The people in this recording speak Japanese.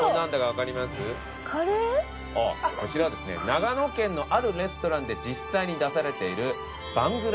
長野県のあるレストランで実際に出されている。